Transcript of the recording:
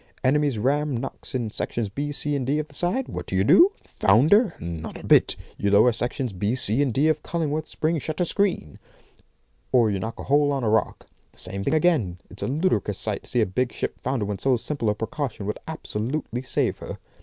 Enemy's ram knocks in sections B, C, D of the side. What do you do? Founder? Not a bit; you lower sections B, C, and D of Cullingworth's spring shutter screen. Or you knock a hole on a rock. The same thing again. It's a ludicrous sight to see a big ship founder when so simple a precaution would absolutely save her.